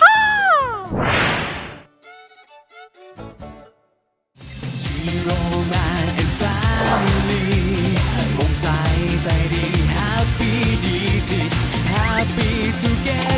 ไอ้ใจดีฮัฟพี่ดีจริงฮัฟพี่ทุกแก่เตอร์